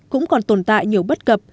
cũng còn tồn tại nhiều bất cập